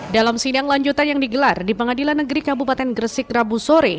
dalam sidang lanjutan yang digelar di pengadilan negeri kabupaten gresik rabu sore